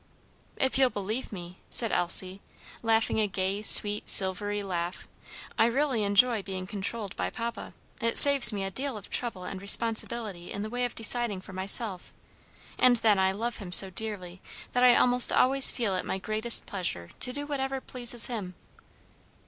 "If you'll believe me," said Elsie, laughing a gay, sweet, silvery laugh, "I really enjoy being controlled by papa. It saves me a deal of trouble and responsibility in the way of deciding for myself; and then I love him so dearly that I almost always feel it my greatest pleasure to do whatever pleases him."